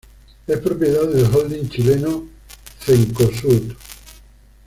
Es propiedad del "holding" chileno Cencosud.